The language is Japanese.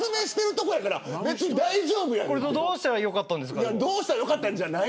どうしたら良かったんですか。